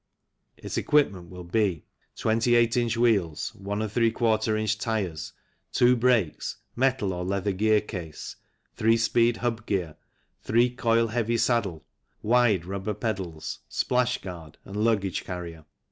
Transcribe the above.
Its equipment will be : 28 in. wheels, If in. tyres, two brakes, metal or leather gear case, three speed hub gear, three coil heavy saddle, wide rubber pedals, splashguard, and luggage carrier.